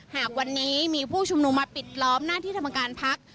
หากวันนี้มีผู้ชุมนุมมาปิดล้อมหน้าที่ทำการพัก